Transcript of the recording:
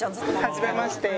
はじめまして。